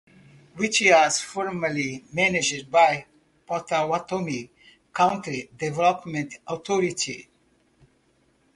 It was formerly managed by Pottawatomie County Development Authority.